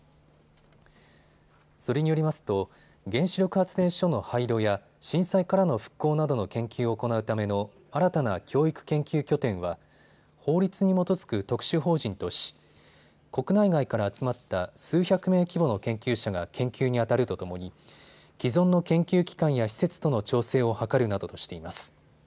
それによりますと原子力発電所の廃炉や震災からの復興などの研究を行うための新たな教育研究拠点は法律に基づく特殊法人とし国内外から集まった数百名規模の研究者が研究にあたるとともに既存の研究機関や施設との調整を図るなどとしています。